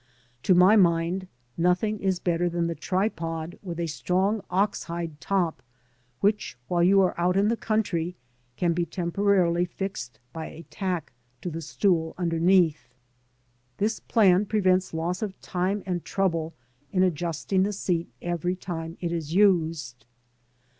To my mind, nothing is better than the tripod with a strong ox hide top, which, while you are out in the country, can be temporarily fixed by a tack to the stool underneath. This plan prevents loss of time and trouble in adjusting the seat every time it is used.